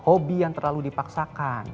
hobi yang terlalu dipaksakan